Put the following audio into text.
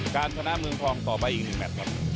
การความสนามเมืองทองต่อไปอีก๑แมท